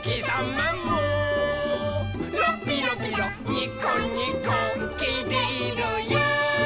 「ラッピラピラニコニコきいているよ」